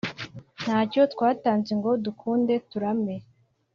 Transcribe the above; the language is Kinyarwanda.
ntacyo twatanze ngo dukunde turame